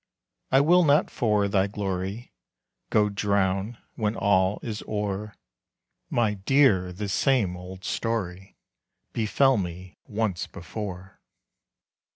I will not for thy glory Go drown, when all is o'er; My dear, this same old story Befell me once before.